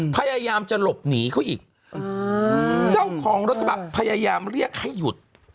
พยายามจะหลบหนีเขาอีกเจ้าของรถกระบะพยายามเรียกให้หยุด